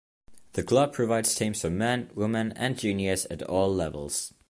The club provides teams for men, women and juniors at all levels.